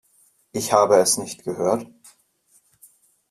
Ich habe es nicht gehört.